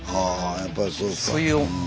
やっぱりそうか。